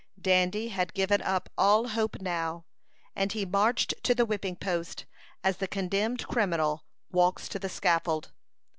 Dandy had given up all hope now, and he marched to the whipping post, as the condemned criminal walks to the scaffold.